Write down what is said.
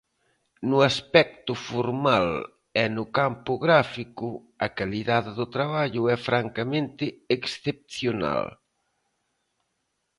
No aspecto formal e no campo gráfico a calidade do traballo é francamente excepcional.